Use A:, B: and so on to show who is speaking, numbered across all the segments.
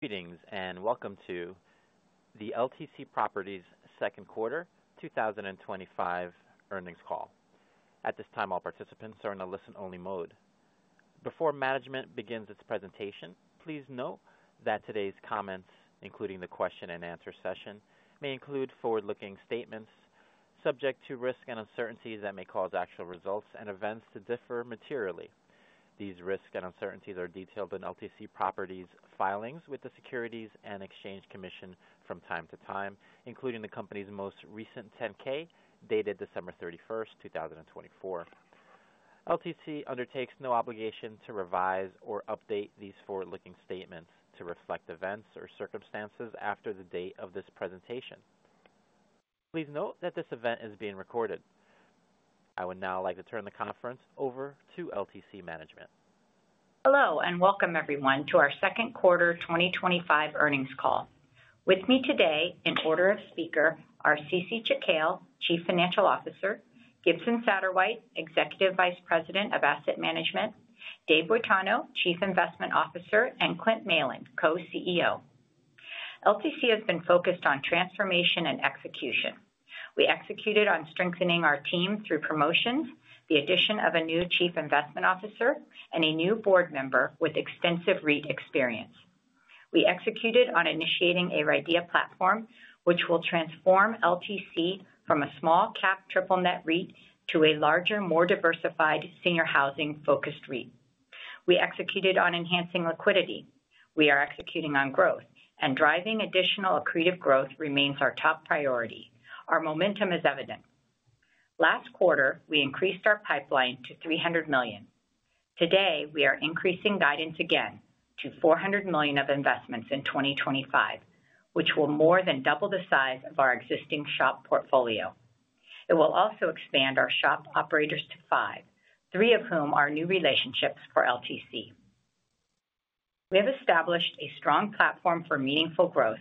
A: Greetings and welcome to the LTC Properties Second Quarter 2025 Earnings Call. At this time all participants are in a listen-only mode before management begins its presentation. Please note that today's comments, including the question and answer session, may include forward-looking statements subject to risks and uncertainties that may cause actual results and events to differ materially. These risks and uncertainties are detailed in LTC Properties filings with the Securities and Exchange Commission from time to time, including the company's most recent 10-K dated December 31st, 2024. LTC undertakes no obligation to revise or update these forward-looking statements to reflect events or circumstances after the date of this presentation. Please note that this event is being recorded. I would now like to turn the conference over to LTC Management.
B: Hello and welcome everyone to our second quarter 2025 earnings call. With me today in order of speaker are Cece Chikhale, Chief Financial Officer, Gibson Satterwhite, Executive Vice President of Asset Management, David Boitano, Chief Investment Officer, and Clint Malin, Co-CEO. LTC Properties has been focused on transformation and execution. We executed on strengthening our team through promotions, the addition of a new Chief Investment Officer, and a new Board member with extensive REIT experience. We executed on initiating a RIDEA platform, which will transform LTC Properties from a small cap triple net lease REIT to a larger, more diversified, senior housing focused REIT. We executed on enhancing liquidity. We are executing on growth, and driving additional accretive growth remains our top priority. Our momentum is evident. Last quarter we increased our pipeline to $300 million. Today we are increasing guidance again to $400 million of investments in 2025, which will more than double the size of our existing SHOP portfolio. It will also expand our SHOP operators to five, three of whom are new relationships for LTC. We have established a strong platform for meaningful growth,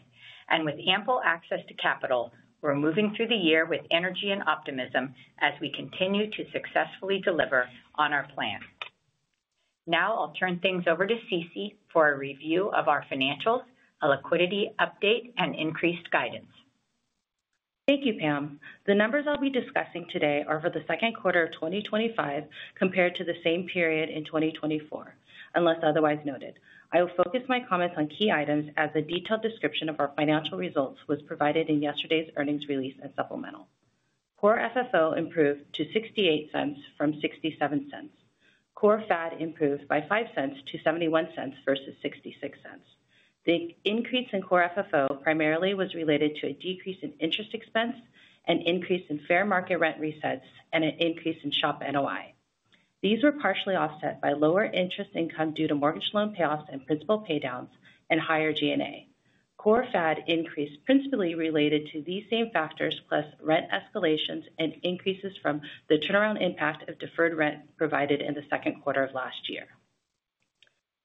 B: and with ample access to capital, we're moving through the year with energy and optimism as we continue to successfully deliver on our plan. Now I'll turn things over to Cece for a review of our financials, a liquidity update, and increased guidance.
C: Thank you, Pam. The numbers I'll be discussing today are for the second quarter of 2025 compared to the same period in 2024. Unless otherwise noted, I will focus my comments on key items, as a detailed description of our financial results was provided in yesterday's earnings release and supplemental. Core FFO improved to $0.68 from $0.67. Core FAD improved by $0.05-$0.71 versus $0.66. The increase in core FFO primarily was related to a decrease in interest expense, an increase in fair market rent resets, and an increase in SHOP NOI. These were partially offset by lower interest income due to mortgage loan payoffs and principal paydowns, and higher G&A. Core FAD increased principally related to these same factors, plus rent escalations and increases from the turnaround impact of deferred rent provided in the second quarter of last year.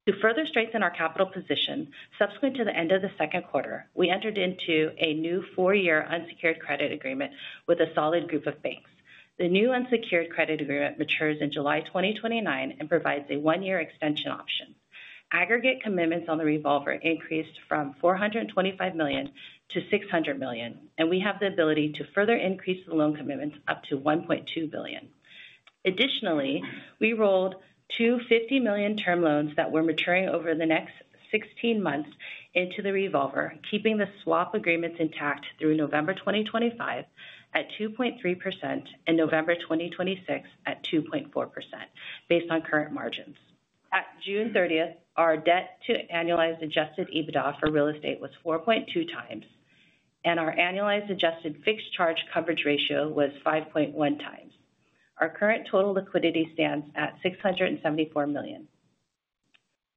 C: To further strengthen our capital position, subsequent to the end of the second quarter, we entered into a new four-year unsecured credit agreement with a solid group of banks. The new unsecured credit agreement matures in July 2029 and provides a one-year extension option. Aggregate commitments on the revolver increased from $425 million-$600 million, and we have the ability to further increase the loan commitments up to $1.2 billion. Additionally, we rolled $250 million term loans that were maturing over the next 16 months into the revolver, keeping the swap agreements intact through November 2025 at 2.3% and November 2026 at 2.4%. Based on current margins at June 30th, our debt to annualized adjusted EBITDA for real estate was 4.2x, and our annualized adjusted fixed charge coverage ratio was 5.1x. Our current total liquidity stands at $674 million.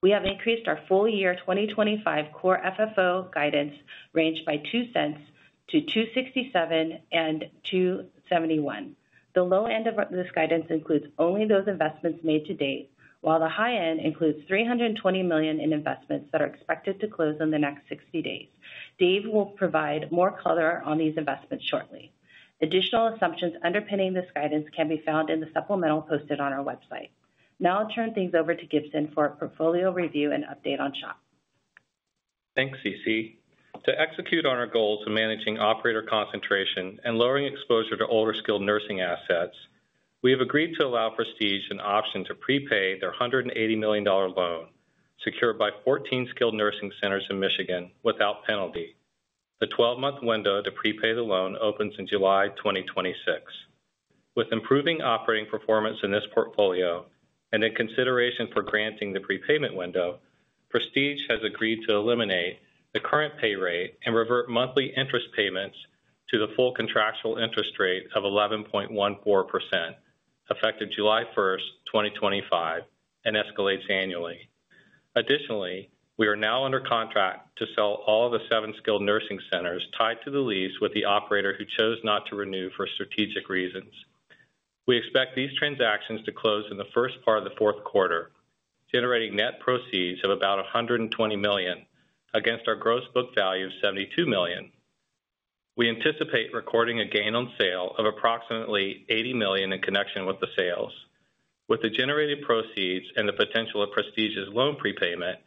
C: We have increased our full year 2025 core FFO guidance range by $0.02-$2.67 and $2.73. The low end of this guidance includes only those investments made to date, while the high end includes $320 million in investments that are expected to close in the next 60 days. Dave will provide more color on these investments shortly. Additional assumptions underpinning this guidance can be found in the supplemental posted on our website. Now I'll turn things over to Gibson for a portfolio review and update on SHOP.
D: Thanks Cece. To execute on our goals of managing operator concentration and lowering exposure to older skilled nursing assets, we have agreed to allow Prestige an option to prepay their $180 million loan secured by 14 skilled nursing centers in Michigan without penalty. The 12-month window to prepay the loan opens in July 2026. With improving operating performance in this portfolio and in consideration for granting the prepayment window, Prestige has agreed to eliminate the current pay rate and revert monthly interest payments to the full contractual interest rate of 11.14% effective July 1st, 2025, and escalates annually. Additionally, we are now under contract to sell all the seven skilled nursing centers tied to the lease with the operator who chose not to renew for strategic reasons. We expect these transactions to close in the first part of the fourth quarter, generating net proceeds of about $120 million against our gross book value of $72 million. We anticipate recording a gain on sale of approximately $80 million in connection with the sales. With the generated proceeds and the potential of Prestige’s loan prepayment,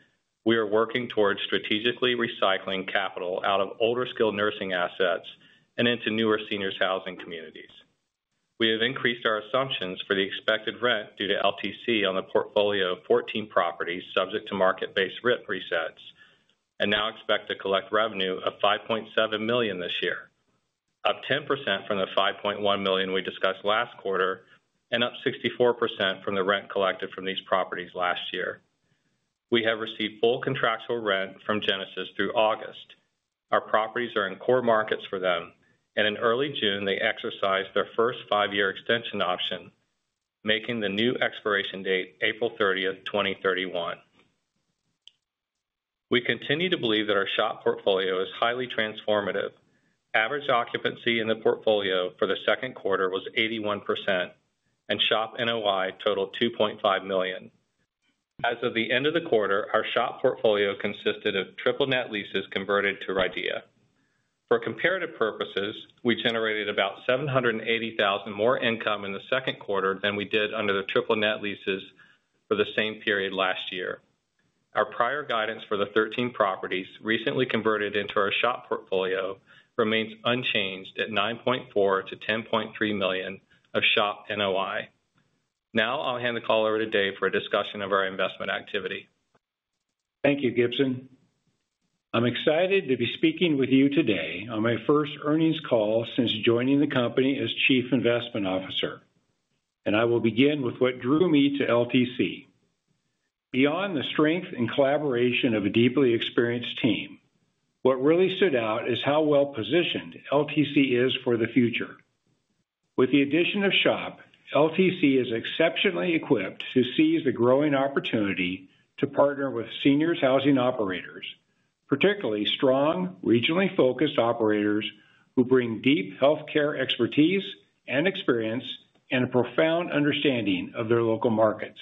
D: we are working towards strategically recycling capital out of older skilled nursing assets and into newer seniors housing communities. We have increased our assumptions for the expected rent due to LTC on the portfolio of 14 properties subject to market-based rent resets and now expect to collect revenue of $5.7 million this year, up 10% from the $5.1 million we discussed last quarter and up 64% from the rent collected from these properties last year. We have received full contractual rent from Genesis through August. Our properties are in core markets for them and in early June they exercised their first five-year extension option, making the new expiration date April 30, 2031. We continue to believe that our SHOP portfolio is highly transformative. Average occupancy in the portfolio for the second quarter was 81% and SHOP NOI totaled $2.5 million. As of the end of the quarter, our SHOP portfolio consisted of triple net leases converted to RIDEA. For comparative purposes, we generated about $780,000 more income in the second quarter than we did under the triple net leases for the same period last year. Our prior guidance for the 13 properties recently converted into our SHOP portfolio remains unchanged at $9.4 million-$10.3 million of SHOP NOI. Now I'll hand the call over to Dave for a discussion of our investment activity.
E: Thank you, Gibson. I'm excited to be speaking with you today on my first earnings call since joining the company as Chief Investment Officer. I will begin with what drew me to LTC. Beyond the strength and collaboration of a deeply experienced team, what really stood out is how well positioned LTC is for the future. With the addition of SHOP, LTC is exceptionally equipped to seize the growing opportunity to partner with seniors housing operators, particularly strong regionally focused operators who bring deep health care expertise and experience and a profound understanding of their local markets.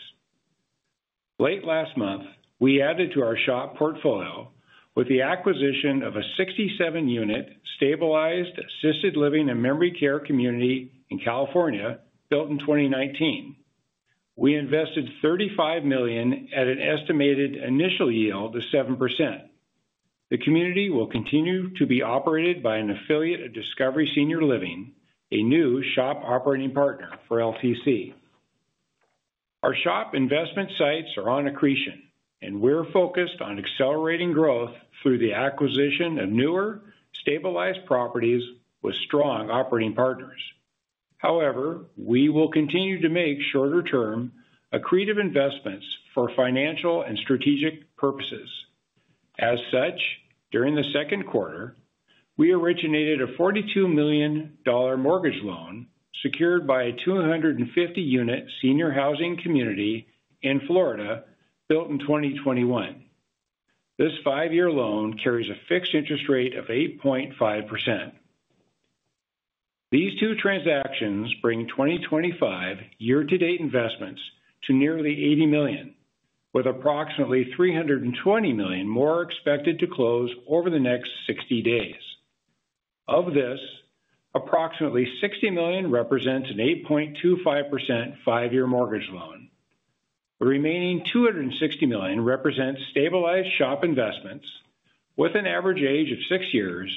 E: Late last month, we added to our SHOP portfolio with the acquisition of a 67-unit stabilized assisted living and memory care community in California built in 2019. We invested $35 million at an estimated initial yield of 7%. The community will continue to be operated by an affiliate of Discovery Senior Living, a new SHOP operating partner for LTC. Our SHOP investment sights are on accretion, and we're focused on accelerating growth through the acquisition of newer stabilized properties with strong operating partners. However, we will continue to make shorter-term accretive investments for financial and strategic purposes. As such, during the second quarter, we originated a $42 million mortgage loan secured by a 250-unit senior housing community in Florida. Built in 2021, this five-year loan carries a fixed interest rate of 8.5%. These two transactions bring 2024 year-to-date investments to nearly $80 million, with approximately $320 million more expected to close over the next 60 days. Of this, approximately $60 million represents an 8.25% five-year mortgage loan. The remaining $260 million represents stabilized SHOP investments. With an average age of six years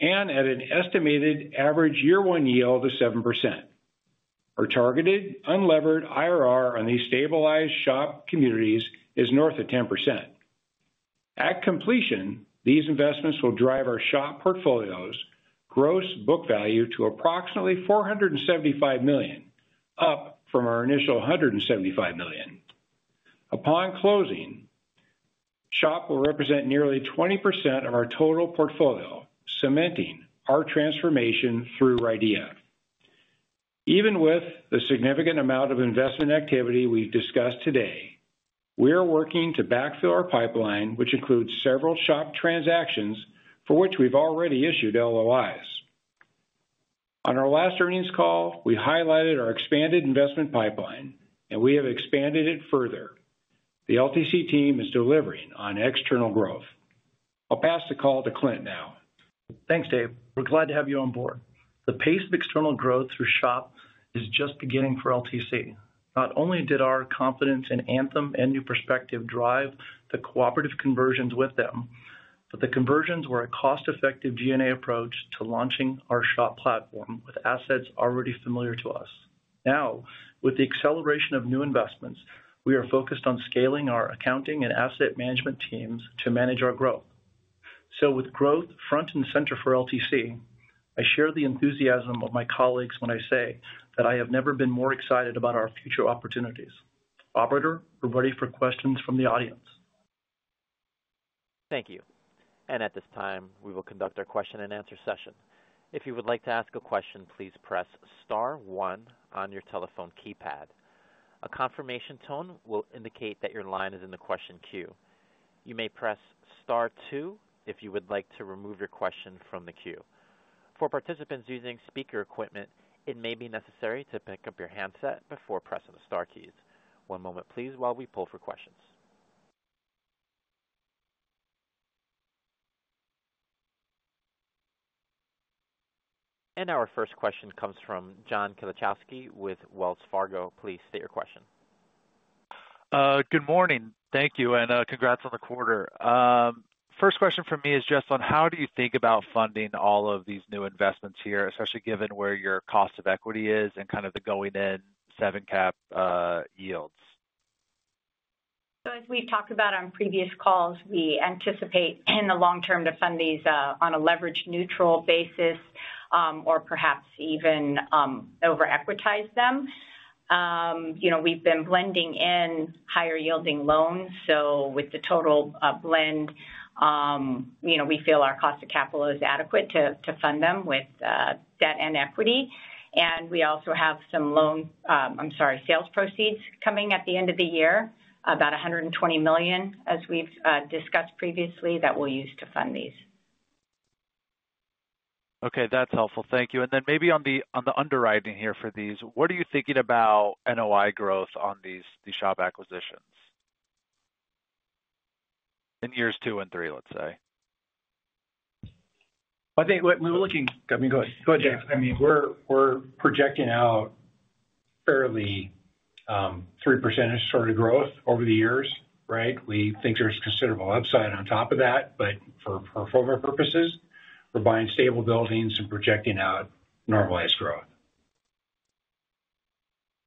E: and at an estimated average year one yield of 7%, our targeted unlevered IRR on these stabilized SHOP communities is north of 10%. At completion, these investments will drive our SHOP portfolio's gross book value to approximately $475 million, up from our initial $175 million. Upon closing, SHOP will represent nearly 20% of our total portfolio, cementing our transformation through RIDEA. Even with the significant amount of investment activity we discussed today, we are working to backfill our pipeline, which includes several SHOP transactions for which we've already issued LOIs. On our last earnings call, we highlighted our expanded investment pipeline, and we have expanded it further. The LTC team is delivering on external growth. I'll pass the call to Clint now.
F: Thanks, Dave. We're glad to have you on board. The pace of external growth through SHOP is just beginning for LTC. Not only did our confidence in Anthem and New Perspective drive the cooperative conversions with them, but the conversions were a cost effective G&A approach to launching our SHOP platform with assets already familiar to us. Now, with the acceleration of new investments, we are focused on scaling our accounting and asset management teams to manage our growth. With growth front and center for LTC, I share the enthusiasm of my colleagues when I say that I have never been more excited about our future opportunities. Operator, we're ready for questions from the audience.
A: Thank you. At this time we will conduct our question and answer session. If you would like to ask a question, please press Star one on your telephone keypad. A confirmation tone will indicate that your line is in the question queue. You may press Star two if you would like to remove your question from the queue. For participants using speaker equipment, it may be necessary to pick up your handset before pressing the Star keys. One moment please, while we pull for questions. Our first question comes from John Kilichowski with Wells Fargo. Please state your question.
G: Good morning. Thank you, and congrats on the quarter. First question for me is just on how do you think about funding all of these new investments here, especially given where your cost of equity is, and kind of the going in 7% cap yields.
B: As we've talked about on previous calls, we anticipate in the long term to fund these on a leverage neutral basis or perhaps even over equitize them. We've been blending in higher yielding loans. With the total blend, we feel our cost of capital is adequate to fund them with debt and equity. We also have some loan sales proceeds coming at the end of the year, about $120 million, as we've discussed previously, that we'll use to fund these.
G: Okay, that's helpful. Thank you. Maybe on the underwriting here for these, what are you thinking about NOI growth on these SHOP Acquisitions in years two and three let's say?
F: I think we're looking, I mean. Go ahead, Jeff.
E: We're projecting out fairly 3% sort of growth over the years. We think there's considerable upside on top of that. For fulfillment purposes, we're buying stable buildings and projecting out normalized growth.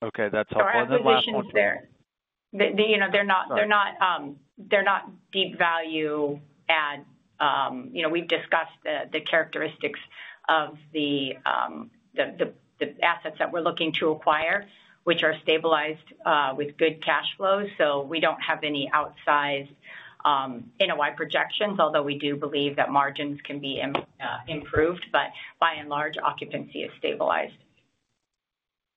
G: Okay, that's helpful.
B: Positions there, they're not deep value add. We've discussed the characteristics of the assets that we're looking to acquire, which are stabilized with good cash flows. We don't have any outsized NOI projections, although we do believe that margins can be improved. By and large, occupancy is stabilized.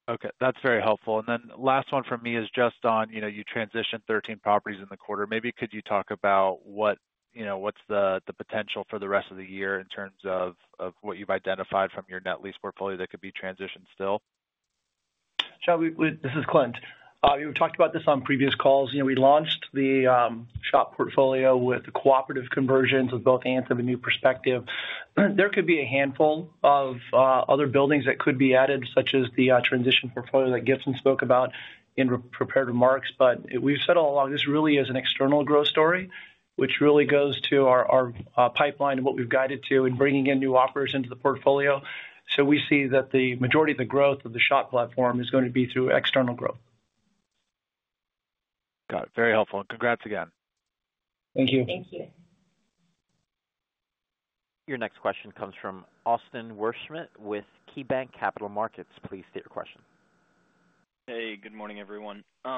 G: Okay, that's very helpful. The last one from me is just on, you know, you transitioned 13 properties in the quarter. Maybe could you talk about what you know what's the potential for the rest of the year in terms of what you've identified from your net lease portfolio that could be transitioned still?
F: John, this is Clint. We've talked about this on previous calls. You know, we launched the SHOP portfolio with cooperative conversions with both Anthem and New Perspective. There could be a handful of other buildings that could be added, such as the transition portfolio that Gibson spoke about in prepared remarks. We've said all along this really is an external growth story, which really goes to our pipeline and what we've guided to in bringing in new operators into the portfolio. We see that the majority of the growth of the SHOP platform is going to be through external growth.
G: Got it. Very helpful. Congrats again.
F: Thank you.
B: Thank you.
A: Your next question comes from Austin Wurschmidt with KeyBanc Capital Markets. Please state your question.
H: Good morning everyone. I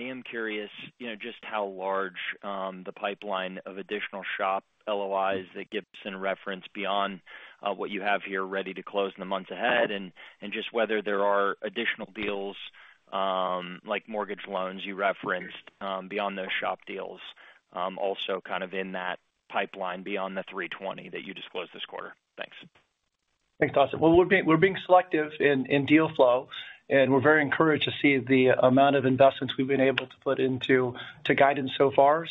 H: am curious just how large the pipeline of additional SHOP loans that Gibson referenced is beyond what you have here ready to close in the months ahead, and just whether there are additional deals like mortgage loans you referenced beyond those SHOP deals also kind of in that pipeline beyond the $320 million that you disclosed this quarter.
F: Thanks. Thanks, Austin. We're being selective in deal flow, and we're very encouraged to see the amount of investments we've been able to put into guidance so far. As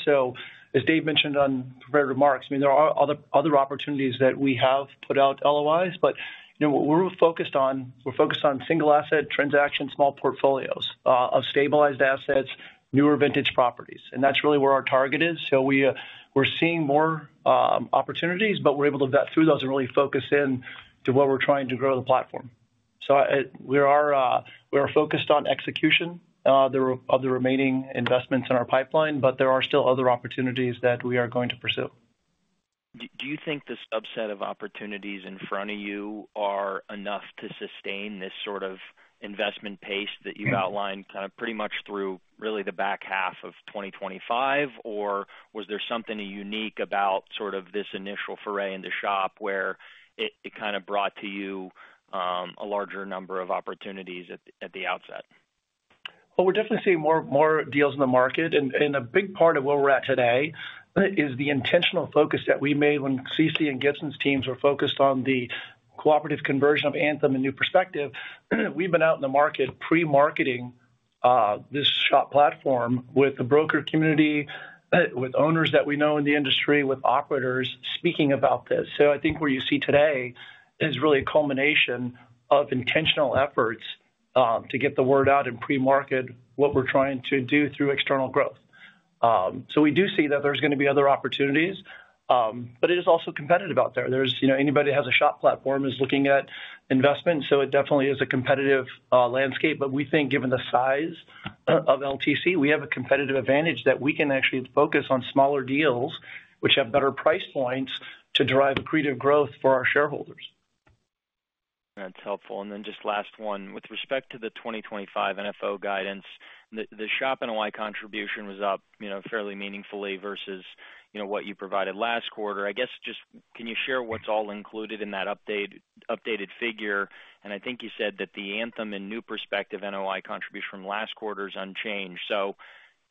F: Dave mentioned on prepared remarks, there are other opportunities that we have put out, LOIs. We're focused on single asset transactions, small portfolios of stabilized assets, newer vintage properties, and that's really where our target is. We're seeing more opportunities, but we're able to vet through those and really focus in to where we're trying to grow the platform. We are focused on execution of the remaining investments in our pipeline, but there are still other opportunities that we are going to pursue.
H: Do you think the subset of opportunities in front of you are enough to sustain this sort of investment pace that you've outlined pretty much through really the back half of 2025? Was there something unique about this initial foray into SHOP where it brought to you a larger number of opportunities at the outset?
F: We're definitely seeing more deals in the market, and a big part of where we're at today is the intentional focus that we made when Cece and Gibson's teams were focused on the cooperative conversion of Anthem and New Perspective. We've been out in the market pre-marketing this SHOP platform with the broker community, with owners that we know in the industry, with operators speaking about this. I think where you see today is really a culmination of intentional efforts to get the word out and pre-market what we're trying to do through external growth. We do see that there's going to be other opportunities, but it is also competitive out there. Anybody that has a SHOP platform is looking at investment. It definitely is a competitive landscape, but we think given the size of LTC, we have a competitive advantage that we can actually focus on smaller deals, which have better price points to drive accretive growth for our shareholders.
H: That's helpful. Just last one, with respect to the 2025 FFO guidance. The SHOP NOI contribution was up fairly meaningfully versus what you provided last quarter. I guess just can you share what's all included in that updated figure? I think you said that the Anthem and New Perspective NOI contribution from last quarter is unchanged.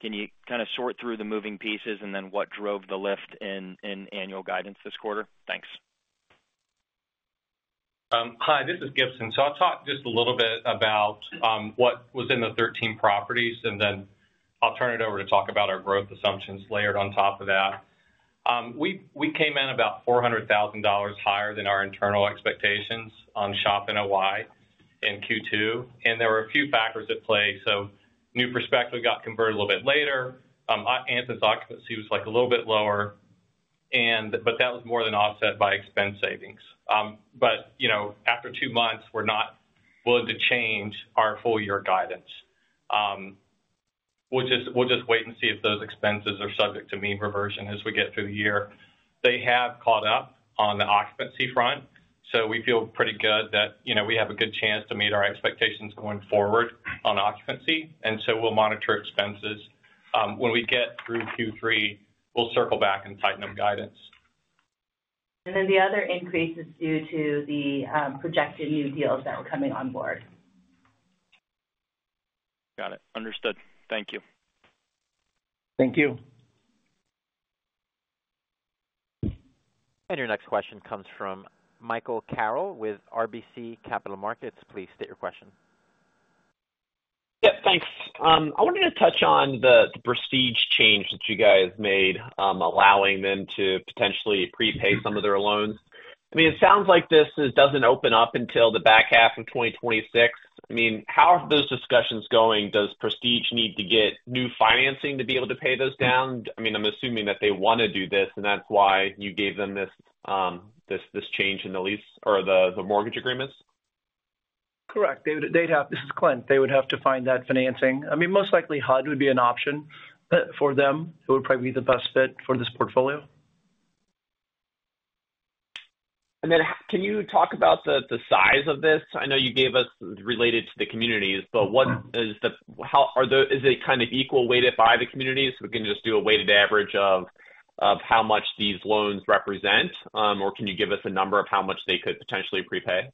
H: Can you kind of sort through the moving pieces and what drove the lift in annual guidance this quarter?
D: Hi, this is Gibson. I'll talk just a little bit about what was in the 13 properties, and then I'll turn it over to talk about our growth assumptions layered on top of that. We came in about $400,000 higher than our internal expectations on SHOP in Q2, and there were a few factors at play. New Perspective got converted a little bit later. Anthem's occupancy was a little bit lower, but that was more than offset by expense savings. After two months, we're not willing to change our full year guidance. We'll just wait and see if those expenses are subject to mean reversion as we get through the year. They have caught up on the occupancy front, so we feel pretty good that we have a good chance to meet our expectations going forward on occupancy. We'll monitor expenses, and when we get through Q3, we'll circle back and tighten up guidance.
B: The other increase is due to the projected new deals that were coming on board.
H: Got it. Understood.
F: Thank you.
A: Your next question comes from Michael Carroll with RBC Capital Markets. Please state your question.
I: Yeah, thanks. I wanted to touch on the Prestige change that you guys made, allowing them to potentially prepay some of their loans. It sounds like this doesn't open up until the back half of 2026. How are those discussions going? Does Prestige need to get new financing to be able to pay those down? I'm assuming that they want to do this and that's why you gave them this change in the lease or the mortgage agreements.
F: They would have to find that financing. This is Clint. They would have to find that financing. I mean, most likely HUD would be an option for them. It would probably be the best fit for this portfolio.
I: Can you talk about the size of this? I know you gave us related to the communities, but what is the, how are the, is it kind of equal weighted by the communities? We can just do a weighted average of how much these loans represent, or can you give us a number of how much they could potentially prepay?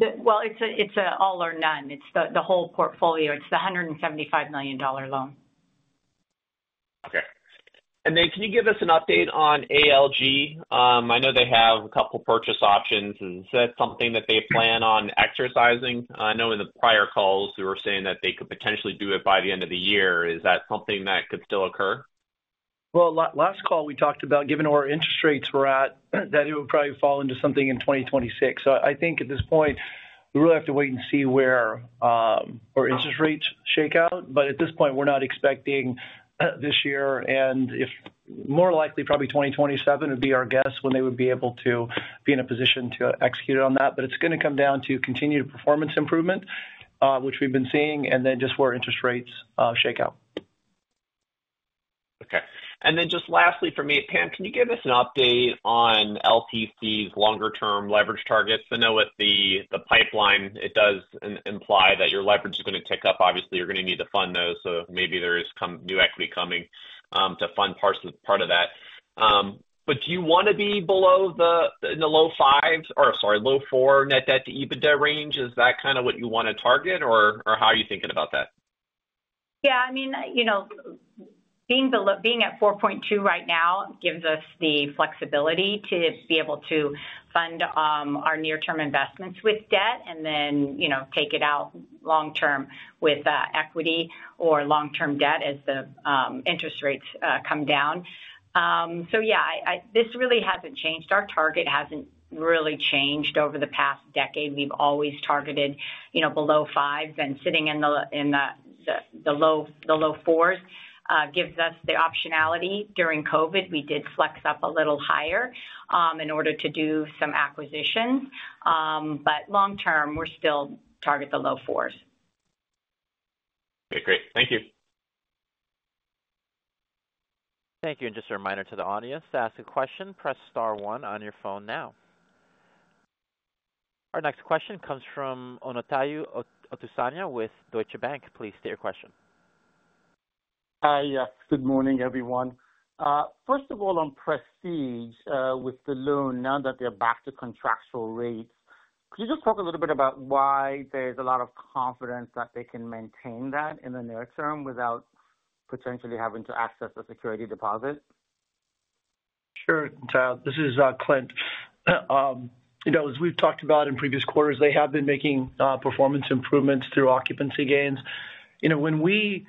B: It is an all or none. It is the whole portfolio. It is the $175 million loan.
I: Okay, can you give us an update on ALG? I know they have a couple purchase options. Is that something that they plan on exercising? I know in the prior calls they were saying that they could potentially do it by the end of the year. Is that something that could still occur?
F: Last call we talked about, given where interest rates were at, that it would probably fall into something in 2026. I think at this point we really have to wait and see where our interest rates shake out. At this point we're not expecting this year. More likely, probably 2027 would be our guess when they would be able to be in a position to execute on that. It's going to come down to continued performance improvement, which we've been seeing, and then just where interest rates shake out.
I: Okay, and then just lastly for me, Pam, can you give us an update on LTC's longer term leverage targets? I know with the pipeline it does imply that your leverage is going to tick up. Obviously you're going to need to fund those. Maybe there is some new equity coming to fund part of that. Do you want to be below the low four net debt to EBITDA range, is that kind of what you want to target or how are you thinking about that?
B: Yeah, being at 4.2 right now gives us the flexibility to be able to fund our near term investments with debt and then take it out long term with equity or long term debt as the interest rates come down. This really hasn't changed. Our target hasn't really changed over the past decade. We've always targeted below five. Sitting in the low fours gives us the optionality. During COVID we did flex up a little higher in order to do some acquisitions. Long term we're still target the low fours.
I: Great, thank you. Thank you.
A: Just a reminder to the audience to ask a question. Press star one on your phone now. Our next question comes from Omotayo Okusanya with Deutsche Bank. Please state your question.
J: Hi, good morning everyone. First of all, on Prestige with the loan now that they're back to contractual rate, can you just talk a little bit about why there's a lot of confidence that they can maintain that in the near term without potentially having to access a security deposit?
F: Sure. Tayo, this is Clint. As we've talked about in previous quarters, they have been making performance improvements through occupancy gains. When we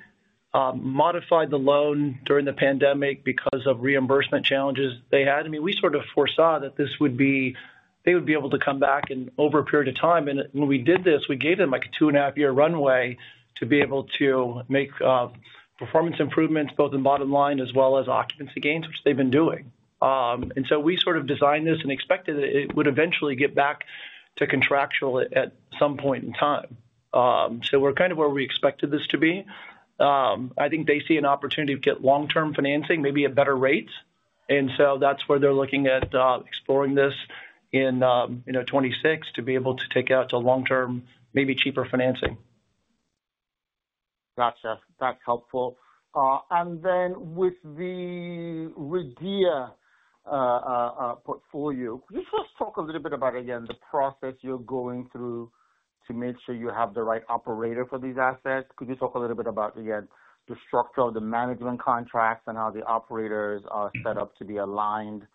F: modified the loan during the pandemic because of reimbursement challenges they had, we sort of foresaw that this would be, they would be able to come back over a period of time. When we did this, we gave them a two and a half year runway to be able to make performance improvements both in bottom line as well as occupancy gains, which they've been doing. We sort of designed this and expected that it would eventually get back to contractual at some point in time. We're kind of where we expected this to be. I think they see an opportunity to get long term financing, maybe a better rate. That's where they're looking at exploring this in 2026 to be able to take out a long term, maybe cheaper financing.
J: Gotcha. That's helpful. With the RIDEA portfolio for could you talk a little bit about the process you're going through to make sure you have the right operator for these assets? Could you talk a little bit about the structure of the management contracts and how the operators are set up to be aligned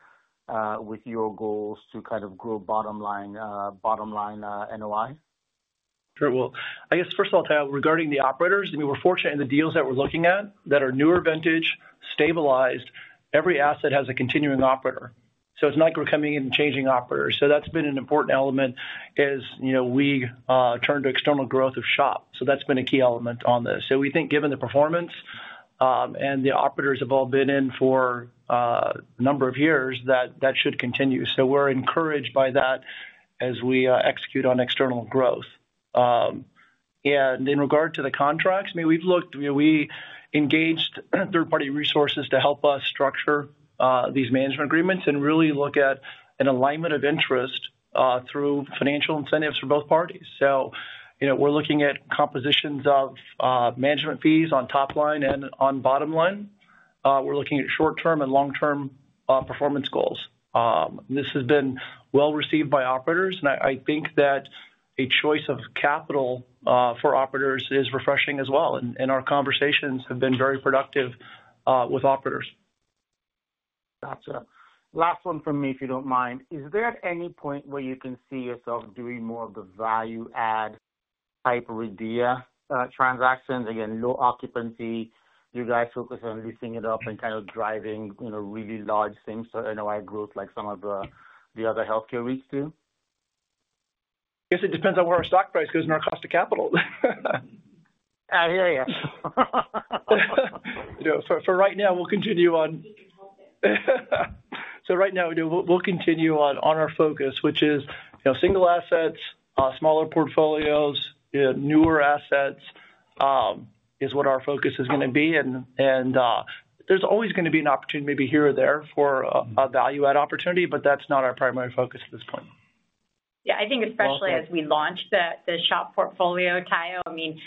J: with your goals to kind of grow bottom line, bottom line, NOI?
F: Regarding the operators, we're fortunate in the deals that we're looking at that are newer, vintage, stabilized. Every asset has a continuing operator. It's not like we're coming in, changing operators. That's been an important element as we turn to external growth of SHOP. That's been a key element on this. We think given the performance and the operators have all been in for a number of years that that should continue. We're encouraged by that as we execute on external growth. In regard to the contracts, we've looked, we engaged third party resources to help us structure these management agreements and really look at an alignment of interest through financial incentives for both parties. We're looking at compositions of management fees on top line and on bottom line, we're looking at short term and long term performance goals. This has been well received by operators. I think that a choice of capital for operators is refreshing as well. Our conversations have been very productive with operators.
J: Last one for me, if you don't mind. Is there at any point where you can see yourself doing more of the value add type RIDEA transactions, again, low occupancy, you guys focus on lifting it up and kind of driving, you know, really large things to NOI growth like some of the other healthcare REITs do.
F: Yes, it depends on where our stock price goes and our cost of capital. I hear you. Right now, we'll continue on our focus, which is single assets, smaller portfolios, newer assets is what our focus is going to be. There's always going to be an opportunity maybe here or there for a value add opportunity, but that's not our primary focus at this point.
B: Yeah, I think especially as we launch the SHOP portfolio, Tayo. I mean,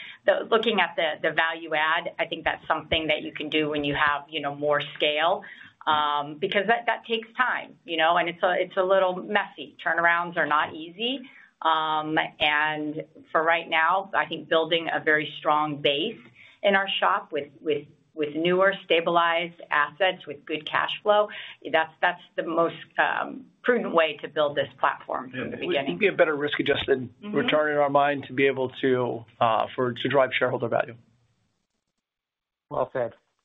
B: looking at the value add, I think that's something that you can do when you have more scale because that takes time and it's a little messy. Turnarounds are not easy. For right now, I think building a very strong base in our SHOP with newer stabilized assets with good cash flow, that's the most prudent way to build this platform in the beginning.
F: A better risk-adjusted return in our mind to be able to drive shareholder value.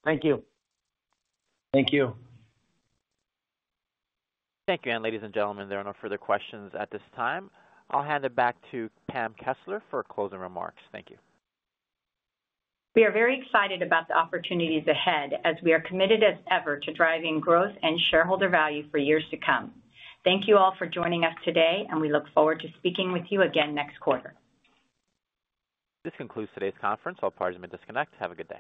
J: Thank you.
F: Thank you. Thank you.
A: Ladies and gentlemen, there are no further questions at this time. I'll hand it back to Pam Kessler for closing remarks. Thank you.
B: We are very excited about the opportunities ahead as we are committed as ever to driving growth and shareholder value for years to come. Thank you all for joining us today, and we look forward to speaking with you again next quarter.
A: This concludes today's conference. All parties may disconnect. Have a good day.